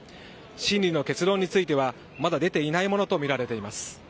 審理の結論については、まだ出ていないものと見られています。